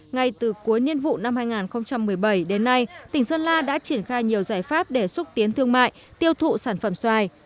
ngay từ cuối niên vụ năm hai nghìn một mươi bảy đến nay tỉnh sơn la đã triển khai nhiều giải pháp để xúc tiến thương mại tiêu thụ sản phẩm xoài